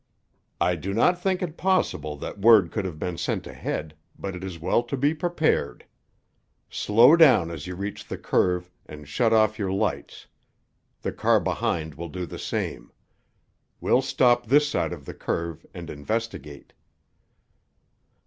"I do not think it possible that word could have been sent ahead, but it is well to be prepared. Slow down as you reach the curve and shut off your lights. The car behind will do the same. We'll stop this side of the curve and investigate."